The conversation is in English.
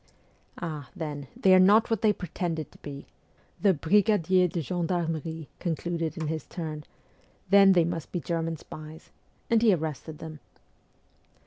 ' Ah, then, they are not what they pretended to be,' the brigadier de gendarmerie concluded in his turn; WESTERN EUROPE 299 ' then they must be German spies ' and he arrested them.